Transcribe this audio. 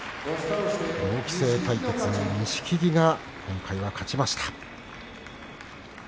同期生対決で錦木が今回は勝ちました。